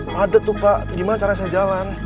padat tuh pak gimana caranya saya jalan